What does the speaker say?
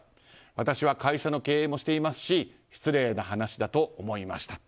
私は会社の経営もしていますし失礼な話だと思いました。